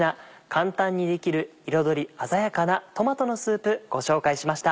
簡単にできる彩り鮮やかなトマトのスープご紹介しました。